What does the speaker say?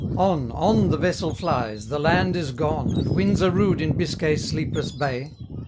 On, on the vessel flies, the land is gone, And winds are rude in Biscay's sleepless bay.